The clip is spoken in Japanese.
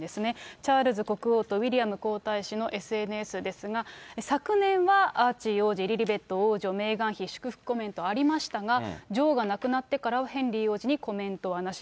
チャールズ国王とウィリアム皇太子のＳＮＳですが、昨年はアーチー王子、リリベット王女、メーガン妃、祝福コメントありましたが、女王が亡くなってからは、ヘンリー王子にコメントはなし。